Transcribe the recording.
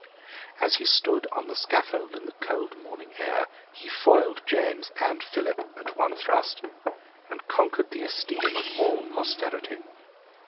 As he stood on the scaffold in the cold morning air, he foiled James and Philip at one thrust, and conquered the esteem of all posterity.